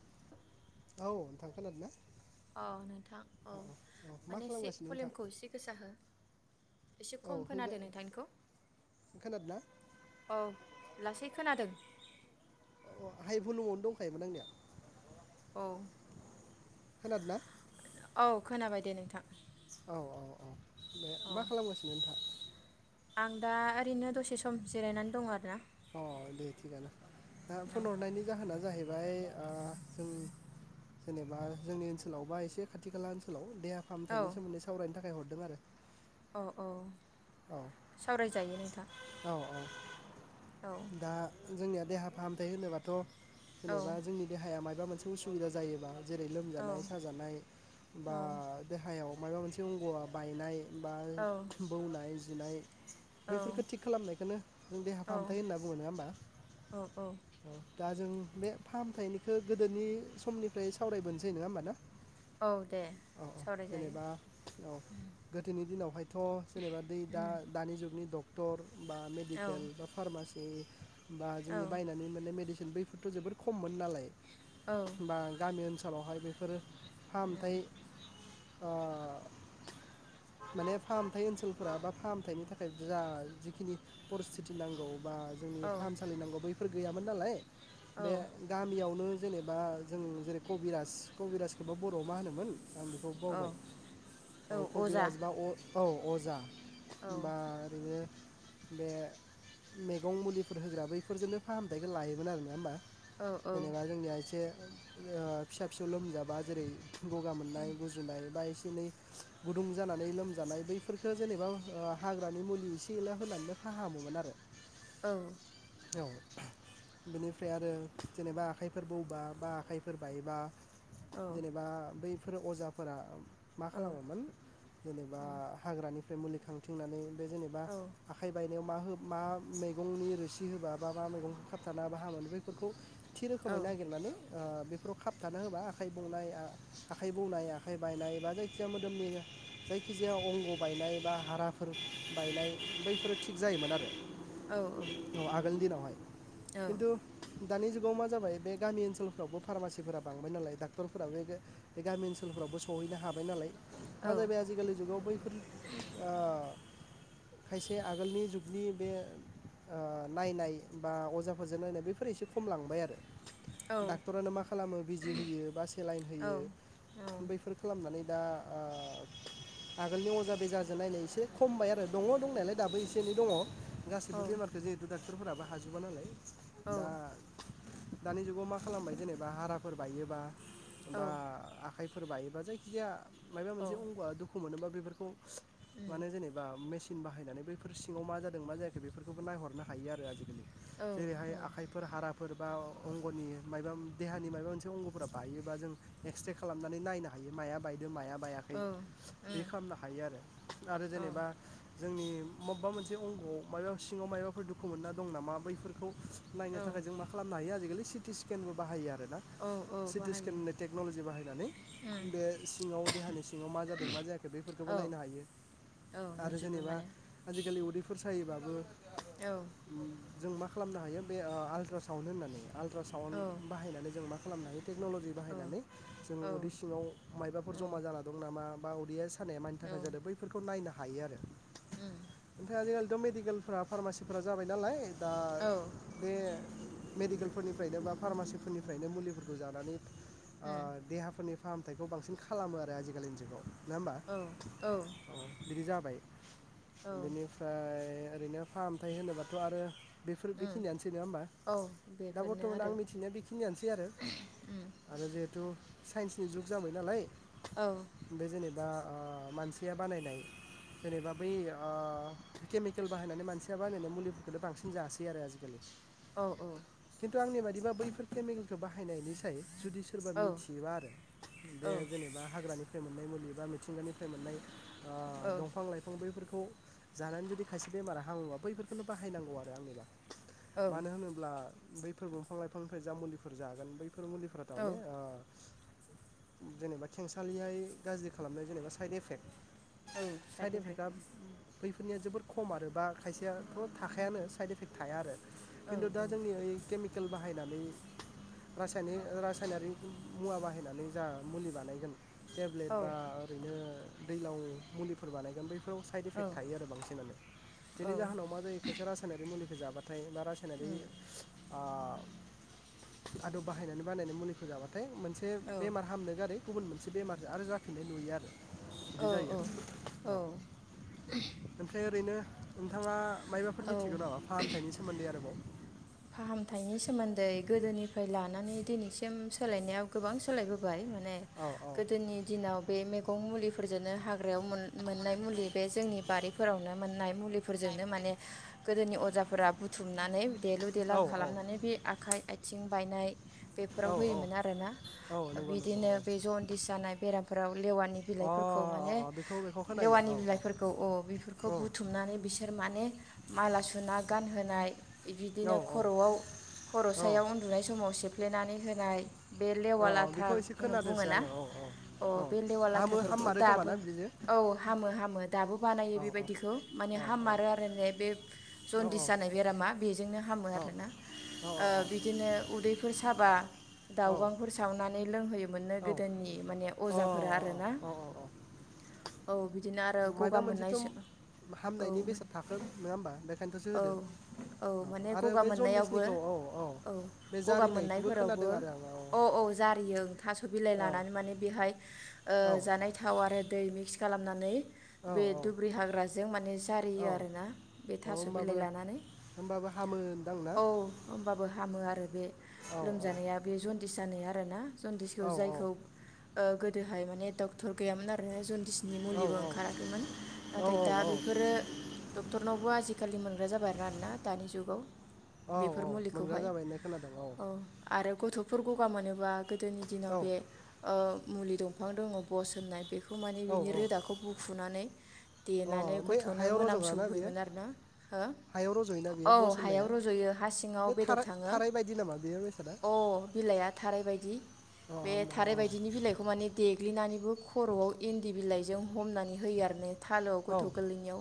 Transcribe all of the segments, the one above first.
[inaudible] औ नोंथां खोनादोंना? अ औ नोंथां औ अ औ मा माने एसे खालामगासिनो नोंथां भलिमखौ एसे गोसा हो एसे औ खम होगा खोनादों नोंथांनिखौ खोनादोंना औ लासै खोनादों। अ हाइ भलुमावनो दंखायोमोन आंनिया औ खोनादोंना? औ खोनाबाय दे नोंथां। औ औ औ औ औ मा खालामगासिनो नोंथां? आं दा ओरैनो दसे सम जिरायनानै दं आरो ना। अ दे थिगानो दा फन हरनायनि जाहोना जाहै बाय ओ जों जेनेबा जोंनि ओनसोलाव बा एसे खाथि खाला ओनसोलाव देहा औ फाहामथाइनि सोमोन्दै सरायनो थाखाय थाखाय हरदों आरो औ औ औ सावरायजायो नोंथां औ औ औ दा जोंनिया देहा फाहामथाय होनोबाथ' औ जेनेबा जोंनि देहाया माद माबा मोनसे उसुबिदा जायोबा जेरै औ लोमजानाय साजानाय बा औ देहायाव माबा मोनसे अंग'आ बायनाय बा औ बौनाय जिनाय बैफोरफोरखौ थिग खालामनायखौनो देहा औ फाहामथाय होनना बुङो नङा होमबा औ। दा जों बे फाहामथायनिखौ गोदोनि समनिफ्राय सावरायबोनोसै नङा होमबा ना औ दे नों औ सावरायजायो जेनेबा औ गोदोनि दिनावहायथ' जेनेबा दै दानि जुगनि डक्टर बा मेडिकेल बा औ फार्मासि बे बा औ जोंनि बायनानै मोनाने मेडिसिन बैफोरथ' जोबोद खममोन नालाय औ बा गामि ओनसोल आथिखालावहाय बेफोरो फा ओमफाय ओ माने फाहामथाय ओनसोलफोरा बा फाहामथायनि थाखाय जा जिखिनि परिस्थिति नांगौ। बा जोंनि औ फाहामसालि नांगौ बैफोर गैयामोन नालाय बे औ गामियावनो जेनेबा जों जेरै कबिराज कबिरासखौबा बर'आव मा होनोमोन? आं बेखौ औ बावबाय औ अजा कबिराजबा अ औ अजा औ बा ओरैनो बे मैगं मुलिफोर होग्रा बेफोरजोंनो फाहामथायखौ लायोमोन आरो ना ओमबा? औ उम जेनेबा जोंनिया इसे ओ फिसा फिसौ लोमजाबा जेरै गगा मोननाय गुजुनाय बायसि दिनै गुदुं जानानै लोमजानाय बैफोरफोरखो जेनेबा ओ हाग्रानि मुलि एसे एनै होनानैनो फाहामोमोन आरो औ औ बेनिफ्राय आरो जेनेबा आखाइफोर बौबा बा आखाइफोर बायोबा जेनेबा बैफोरो अजा फोरा मा खालामोमोन जेनेबा हाग्रानि बे मुलिखो आं बुंनानै जेनेबा आखाइ बाय बेयाव मा मा मैगंनि रोसि होबा बा मा मैगंखौ खाबथाना होबा हामो बेफोरखौ थि रोखोमै नागिरनानै ओ बेफोराव खाबथानो होबा आखाइ बौनाय ओ आखाइ बौनाय आखाइ बायनाय बा जायखिजाया मोदोमनि जायखिजाया अंग' बायनाय बा हारा फोर बायनाय बैफोरो थिग जायोमोन आरो औ आगोल दिनाव। किन्थु दानि जुगाव मा जाबाय बे गामि ओनसोलफ्रावबो फार्मासिफोरा बांबाय नालाय डाक्टरफोराबो बे गामि ओनसोलफ्रावबो सहैनो हाबाय नालाय। मा जाहैबाय आजिखालि जुगाव बैफोर ओ खायसे आगोलनि जुगनि बे ओ नायनाय बा अजाफोरजों नायनाय बेफोर एसे खमलांबाय आरो डाक्टरानो मा खालामो बिजि होयो बा सेलाइन होयो बैफोर खालामनानै दा ओ आगोलनि अजा बेजाजों नायलायनोसै। खमायबाय आरो दंङ दंनायालाय दाबो एसे एनै दङ। गासिबो बेमारखौनो जिहेथु डक्टरफोराबो। हाजोबा नालाय। दा। दानि जुगाव मा खालामबाय जेनेबा हाराफोर बायोबा। बा आखाइ। फोर बायोबा जायखिजाया। मायबा मोनसे अंगआ दुखु मोनोबा। बेफोरखौ। माने जेनेबा मेसिन बाहायनानै बैफोर सिंङाव मा जादों मा जायाखै बेफोरखौबो नायहरनो हायो आरो आजिखालि। जेरैहाय आखाइफोर हाराफोर। बा अंगनि माबा देहानि माबा मोनसे अंगफोरा बायोबा जों एक्सरे खालामनानै नायनो हायो माया बायदों। बे माया बायाखै बिदि खालामनो हायो आरो। आरो औ जेनेबा। जोंनि मबेबा मोनसे अंगआव मायाबा सिंङाव माबाफोर दुखु मोनना दं नामा बैफोरखौ। नायनो औ थाखाय जों मा खालामनो हायो आजिखालि। सिटि स्केनबो बाहायो आरो। औ सिटि बाहायो स्केननि टेक्नलजि बाहायनानै बे सिंङाव देहानि सिंङाव मा जादों मा जायाखै बेफोरखौबो औ नायनो हायो। औ आरो नुजोबो जेनेबा माने आजिखालि उदै। उदैफोर सायोबाबो। औ। जों मा खालामनो हायो बे आल्ट्रा साउन्ड होननानै। आलट्रासाउन्ड औ बाहायनानै जों मा। खालामनो हायो। टेक्नलजि बाहायनानै जों औ उदै सिंङाव मायबाफोर उम जमा जाना दं नामा। बा उदैया सायो। सानाया मानि औ थाखाय जादों बै। खौ नायनो हायो आरो। उम [inaudible] एकदम मेडिकेलफ्रा फार्मासिफोरा जाबाय नालाय। दा औ बे। मेडिकेलफोरनिफ्रायनो बा फार्मासिफोरनिफ्रायनो मुलिफोरखौ जानानै। ओ देहाफोरनि फाहामथायाइखौ बांसिन खालामो। आरो आजिखालि जुगाव। औ औ। अ बिदि जाबाय। बेनिफ्राय ओरैनो फाहामथाय होनोबाथ' आरो बेफोर उम बेखिनियानोसै नङा होमबा? औ दा बेफोरनो बर्थ'मान आं आरो मिथिनाया बेखिनियानोसै आरो। आरो जिहेथु साइन्सनि जुग जाबाय नालाय? औ बे जनो बा ओ मानसिया बानायनाय जेनेबा बै ओ केमिकेल बाहायनानै मानसिया बानायनाय मुलिफोरखौनो बांसिन जासै आरो आजिखालि। औ औ। खिन्थु आंनि बादिबानबैफोर केमिकेल खौ बाहायनायनि साय जुदि सोरबा औ मिथियोबा आरो बे औ जेनेबा हाग्रानि नि मोननाय मुलि बा मिथिंगानिफ्राय मोननाय ओ औ दंफां लाइफां बैफोरखौ खौ जानानै जुदि खायसे बेमारा हामोबा बैफोरखौनो बाहायनांगौ आरो आंनिबा। औ मानो होनोब्ला? बैफोर दंफां लाइफांनिफ्राय ज मुलिफोर जागोन बै खौ मुलि दानो औ आ जेनेबा। खेंसालियाय गाज्रि खालामनाय जेनब साइड एफेट। औ साइड इफेक्टआ इफेक्ट बैफोरनिया जोबोर खम आरो बा खायसेया थाखायानो साइड इफेक्ट थाया आरो औ खिन्थु दा जोंनि ओइ केमिकेल बाहाय बाहायनानै रासायनारि मुवा बाहायनानै जा मुलि बानायगोन टेब्लेट औ बा ओरैनो दैलावनि मुलिफोर बानायगोन बै साइड औ इफेक्ट थायो आरो बांसिनानो बेनि जाहोनाव औ मा जायो खायसे रासायनारि मुलिखौ जाबा नाथाय ना रासायनाारि आ आदब बाहायनानै बानायनानै मुलिखौ जाबाथ नाथाय मोनसे बेमार हामनो गारै गुबुन मोनसे बेमारजों आरो जाफिननाय नुयो आरो। बिदि जायो। औ औ ओमफ्राय? ओरैनो नोंथाङा मायबाफोर औ मिथिगौ नामा फाहामथायनि सोमोन्दै आरोबाव फाहामथाइनि सोमोन्दै गोदोनिफ्राय लानानै दिनैसिम सोलायनायाव गोबां सोलायबोबाय मान ने औ औ गोदोनि दिनाव बे मैगं मुलि फोरजोंनो हाग्रायाव मोननाय मुलि बे जोंनि बारिफोरावनो मोन नाय मुलिफोरजोंनो माने गोदोनि अजाफोरा बुथुमनानै देलु देला औ खालामनानै बे आखाइ आइ आथिं बायनाय औ बेफोराव औ होयोमोन आरोना। औ नंगौ नंगौ बिदिनो बे जनदिस जानाय बेरामफोराव लेवानि औ अ बिलाइफोरखौ माने अ बेखौ बेखौ खोनायो लेवानि औ बिलाइफोरखौ औ बेफोरखौ औ बुथुमनानै बिसोर माने माला सुना गानहोनाय औ बिदिनो खर'आव खर' औ सायाव उन्दुनाय समाव सेफ्लेनानै हो नाय बे लेवा औ लाथा बेखौ एसे होन बुङो खोनादोंसो ना। आङो औ औ अ औ बे लेवा हामो लाथाफोरखौ हाममारो खोमा दाबो ना बिदिजों औ हामो हामो दाबो बानायो औ औ बेबायदिखौ। माने औ हाममारो आरो ने बे औ जनदिस जानाय बेरामा। बेजोंनो हामो आरोना ओ बिदिनो उदैफोर साबा औ दाउगां फोरा सावनानै लोंहोयो। मोननो औ औ गोदोनि माने अ अजाफोरा आरोना। अ अ औ बि मायबा मोनसेथ' औ हामनायनि मोन बेसाद थाखोन नङा होमबा बेखायनोथ'सो औ होदो औ माने आरो गगा बे मोननायावबो जनदिसनिखौ औ औ बे गगा जारिनायखौबो मोननायफोरावबो खोनादों आरो औ औ जारियो ओं थास' बिलाइ आं लानानै माने बेहाय ओ औ जानाय थाव आरो दै मिक्स खालामनानै औ बे दुब्रि हाग्राजों माने जारियो औ आरोना बे थास' होमबाबो बिलाइ लानानै। होमबाबो हामो होनदां ना औ होमबाबो हामो आरो बे औ लोमजानाया बे जन्दिस जानाया आरो ना जन्दिसखौ औ जायखौ ओ गो दोहाय माने डक्टर गैयामोन आरो आरो जन्दिसनि औ मुलिबो ओंखाराखैमोन। औ नाथाय दा औ औ बेफोरो डक्टरनावबो आजिखालि मोनग्रा जाबाय आरोना दानि जुगाव बेफोर मोनग्रा मुलिखौहाय जाबाय होननाय खोनादों औ ओ आरो ग गथ'फोर गगा मोनोबा गोदोनि दिनाव औ बे ओ मुलि दंफां दङ' बस होननाय बेखौ माने औ बिनि औ रोदाखौ बुफुनानै अ देनानै बै गथ'नो हायाव रज'ग्राना बियो मोनामसौहैयोमोन आरो ना हो हायाव रज'योना बियो औ बस हायाव होननाया रज'यो हा सिङाव बे बेदर थाराय थाङो थाराय बायदि नामा बेयो बेसादा अ बिलाइया थाराय बदि अ बे होमबा थाराय औ बायदिनि बिलाइखौ माने देग्लिनानै बेबो खर'आव इन्दि बिलाइजों हमनानै होयो आरोने थालोआव गथ' अ गोरलैनियाव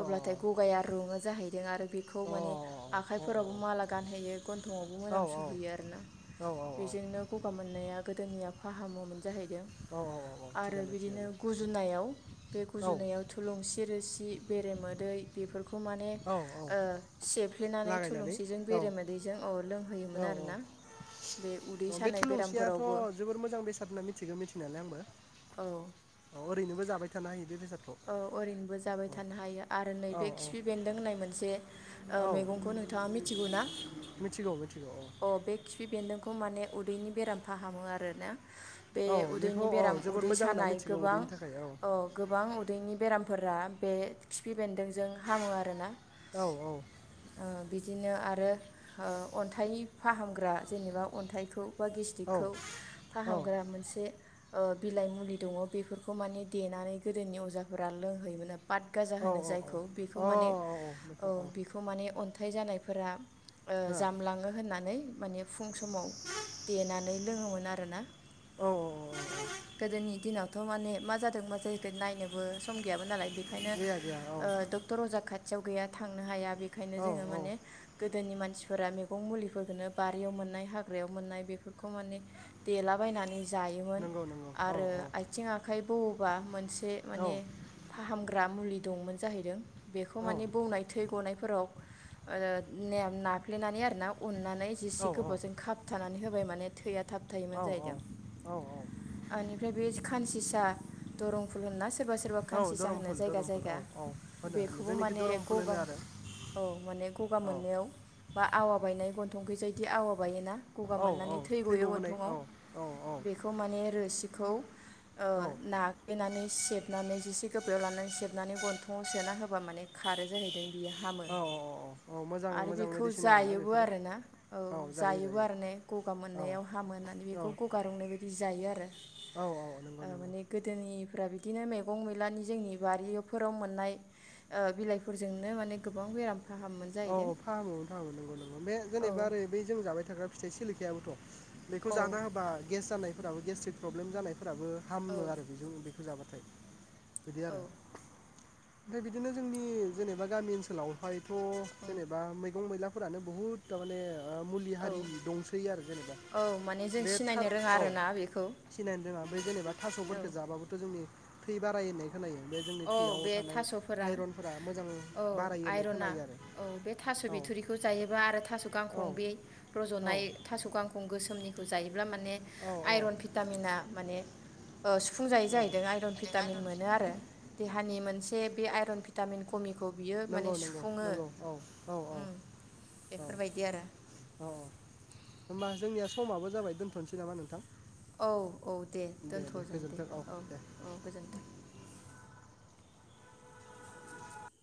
अ अ गगाया रुङो जाहैदों आरो औ खौ माने आखाय फोरावबो माला गानहोयो गन्थं आवबो मोनामसुहोयो आरोना औ बेजोंनो गगा मोननाया गोदोनि या फाहामो मोन जाहैदों औ औ आरो थिगानो बिदिनो थिगानो गुजुनायाव बे औ गुजुनायाव थुलुंसि रोसि बेरेमोदै बेफोरखौ खौ माने औ औ सेफ्लेनानै लागायनानै थुलुंसिजों औ बेरे मोदैजों [unintelligible] औ औ उदै औ बे सानाय थुलुंसियाथ' बेरामफोरावबो जोबोर मोजां बेसाद होनना मिथिगौ मिथिनालाय आंबो औ औ ओरैनोबो जाबाय थानो हायो बे बेसाद औ ओरैनोबो जाबाय थानो हायो आरो औ नैबे खिफि बेन्दों होननाय मोनसे ओ औ मैगंखौ नोंथाङा मिथिगौ ना? मिथिगौ मिथिगौ औ अ बे खिफि बेन्दोंखौ मा ने उदैनि बेराम फाहामो आरोना बे औ बेखौ उदैनि औ बेराम जोबोर उदै मोजां होनना सानाय मिथिगौ गोबां उदैनि थाखाय औ ओ गोबां बेरामफोरा बे खिफि बेन्दोंजों हामो आरोना औ औ दिनो आरो अन्थाइनि फाहामग्रा जेनेबा अन्थाइखौ बा औ गेस्टिकखौ औ फाहामग्रा मोनसे ओ बिलाइ मुलि दङ बेफोरखौ माने देनानै गोदोनि अजा फोरा लोंहोयोमोननो फाथ गाजा औ होनो जायखौ बेखौ अ माने औ औ बेखौ माने अन हाथाय जानायफोरा ओ हो जामलाङो होननानै माने फुं समाव देनानै लोङोमोन आरोना औ औ गोदोनि दिनाव थ' माने मा जादों मा जाहैखै नायनो बो सम गैयामोन नालाय बे खायनो गैया गैया औ ओ डक्टर अजा खा थियाव गैया थांनो हाया बेनिखायनो औ जोङो औ माने गोदोनि मानसि फोरा मेगं मुलिफोरखौनो बारियाव मोननाय हाग्रायाव मोननाय बेफोरखौ माने देलाबायनानै जायोमोन नंगौ नंगौ औ आरो आथिं आखाइ बौ बा मोनसे औ माने औ फाहामग्रा मुलि दंमोन जाहैदों बेखौ औ माने बौनाय थै गनाय फोरक ओ ने नाफ्लेनानै आरोना अननानै औ जिसे गोबावजों खाबथानानै हो बाय माने थैया थाब थायोमोन औ जाहैदों औ बेनिफ्राय बे खानसिसा दरं फुल होन्ना सोरबा सोरबा औ खानसिसा होनो धरमफुल जायगा धरमफुल औ जायगा औ होनो होनो बेखौबो जोंनिखि माने धरमफुल गगा होनो आरो औ माने गगा औ मोननायाव बा आवा बायनाय ग थंख्रि जायदि आवा बायो ना? गगा औ औ मोननानै थै गयो गबोनाय गन्थंआव औ औ बेखौ माने रोसिखौ नाफ्लैनानै सेब नैजिसे गोबायाव लानानै सेबनानै गन्थंआव सोना होबा माने खारो जाहैय देन डियो हामो औ औ मोजां आरो मोजां बेखौ मेडिसिन आरोना जायोबो बेफोरो आरोना औ जायो जायोबो जायो आरो गगा औ मोननायाव हामो होननानै औ बेखौ गगा रंनाय बायदि जायो आरो औ औ नंगौ नंगौ माने गोदोनि [unintelligible] बिदिनो मैगं मैलानि जोंनि बारिफोराव मोननाय बिलाइफोरजोंनो माने गोबां बेराम फाहामोमोन औ जाहैदों फामोमोन फाहामोन नंगौ नंगौ बे औ जेनेबा ओरै जाबाय थाग्रा फिथाइ सोलिख खायाबोथ' बेखौ औ जाना होबा गेस जानाय फोराबो गस्ट्रिक प्रब्लम जानाय फोराबो औ हामनो आरो बेजों बेखौ जाबाथाय बिदि औ आरो ओमफ्राय बिदिनो जोंनि जेनेबा गामि ओनसोलावहायथ' औ जेनेबा मैगं मैला फोरानो बहुत थारमाने मुलि औ हारि दंसै आरो जेनेबा औ माने जों बे सिनायनो रोङा खाव आरोना बेखौ थिनाय जों बे जेनबा औ थास'फोरखो जाबाबोथ' जोंनि थै बाराय होननाय खोनायो बे जोंनि औ थैयाव बे थानाय थास'फोरा आइरनफोरा मोजां औ बारायो होननाय आइरना खोनायो आरो। औ बे थास' औ बिथुरिखौ जायोबा आरो थास' औ गांखं बे औ रज'नाय थास' गांखं गोसोम निखौ जायो ब्ला माने औ औ आइरन भिटामिना माने ओ सुफुंजायै औ जाहैदों आइरन भिटामिन मोनो आरो। नि मोनसे बे आइरन भिटामननि कमि। नंगौ नंगौ नंगौ औ औ औ औ औ बेफोरबायदि आरो औ होनबा जोंनिया। समाबो जाबाय दोनथ'नोसै नामा नोंथां। औ औ दे दोनथ' जायो दे औ औ गोजोन्थों। [inaudible]